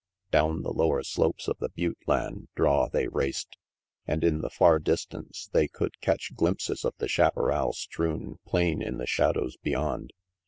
Down the lower slopes of the butte land draw they raced, and in the far distance they could catch glimpses of the chaparral strewn plain in the shadows beyond.